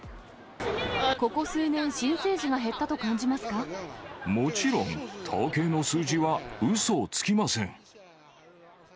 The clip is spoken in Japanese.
ここ数年、新生児が減ったともちろん、統計の数字はうそをつきません。